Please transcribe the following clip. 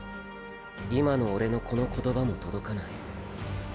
今のオレのこの言葉も届かない。